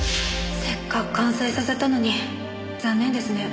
せっかく完成させたのに残念ですね。